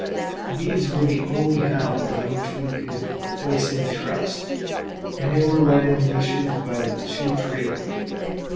These were the only hounds on which we could place any trust, and they were led in leashes by the two trailers.